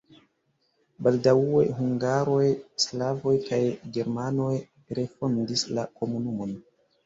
Baldaŭe hungaroj, slavoj kaj germanoj refondis la komunumon.